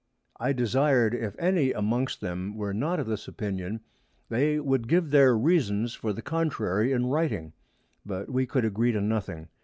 I desir'd, if any amongst them were not of this Opinion, they would give their Reasons to the contrary in Writing; but we could agree to nothing.